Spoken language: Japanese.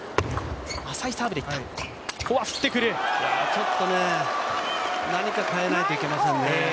ちょっと、何か変えないといけませんね。